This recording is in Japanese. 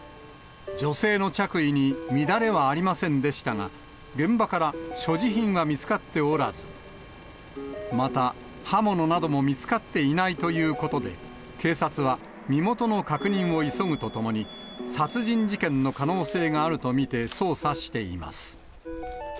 女性の着衣に乱れはありませんでしたが、現場から所持品は見つかっておらず、また刃物なども見つかっていないということで、警察は身元の確認を急ぐとともに、殺人事件の可能性があると見て捜査しています。